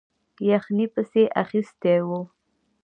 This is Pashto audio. یخنۍ پسې اخیستی وو.